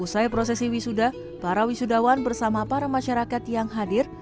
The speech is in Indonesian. usai prosesi wisuda para wisudawan bersama para masyarakat yang hadir